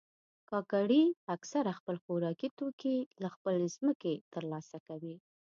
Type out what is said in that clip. کاکړي اکثره خپل خوراکي توکي له خپلې ځمکې ترلاسه کوي.